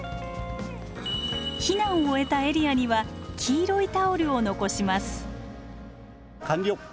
避難を終えたエリアには黄色いタオルを残します。